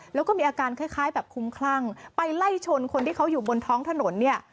แล้วก็มีอาการคล้ายแบบคุ้มคลั่งไปไล่ชนคนที่เขาอยู่บนท้องถนนเนี่ย